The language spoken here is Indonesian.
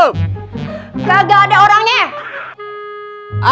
gak ada orangnya